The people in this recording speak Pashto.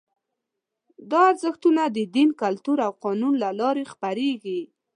دا ارزښتونه د دین، کلتور او قانون له لارې خپرېږي.